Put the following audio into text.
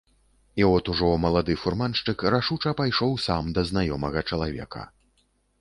І от ужо малады фурманшчык рашуча пайшоў сам да знаёмага чалавека.